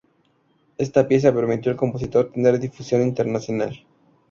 Esta pieza permitió al compositor tener difusión internacional.